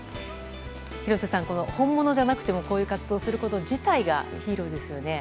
廣瀬さん、本物じゃなくてもこういう活動すること自体がヒーローですよね。